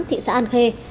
thị xã an khê